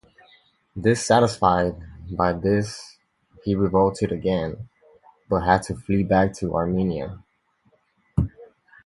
Dissatisfied by this he revolted again, but had to flee back to Armenia.